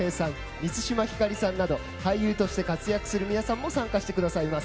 満島ひかりさんなど俳優として活躍する皆さんも参加してくださいます。